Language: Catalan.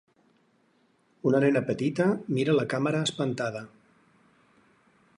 Una nena petita mira a la càmera espantada.